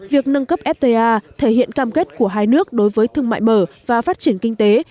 việc nâng cấp fta thể hiện cam kết của hai nước đối với thương mại mở và phát triển kinh tế